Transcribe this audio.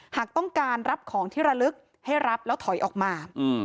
หากต้องการรับของที่ระลึกให้รับแล้วถอยออกมา